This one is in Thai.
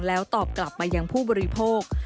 แล้วตอบกลับมายังผู้บริโภค